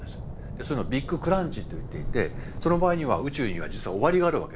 そういうのをビッグクランチといっていてその場合には宇宙には実は終わりがあるわけですね。